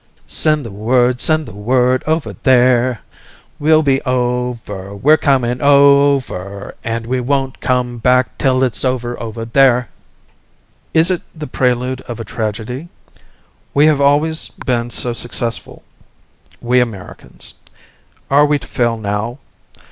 "Send the word, send the word over there... We'll be o ver, we're coming o ver, And we won't come back till it's o ver, over there!" Is it the prelude of a tragedy? We have always been so successful, we Americans. Are we to fail now?